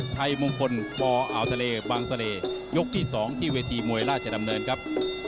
ชัยมงคลปอ่าวทะเลบางเสล่ยกที่๒ที่เวทีมวยราชดำเนินครับ